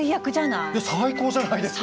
いや最高じゃないですか。